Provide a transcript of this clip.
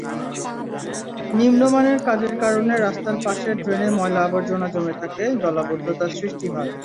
নিম্নমানের কাজের কারণে রাস্তার পাশে ড্রেনে ময়লা-আবর্জনা জমে থাকে, জলাবদ্ধতা সৃষ্টি হয়।